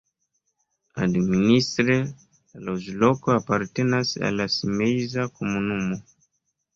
Administre la loĝloko apartenas al la Simeiza komunumo.